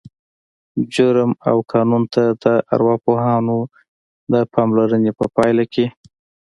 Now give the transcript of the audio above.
جرم او قانون ته د ارواپوهانو د پاملرنې په پایله کې